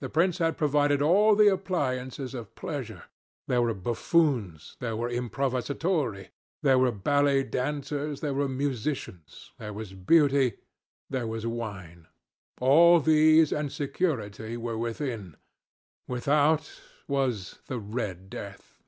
The prince had provided all the appliances of pleasure. There were buffoons, there were improvisatori, there were ballet dancers, there were musicians, there was Beauty, there was wine. All these and security were within. Without was the "Red Death."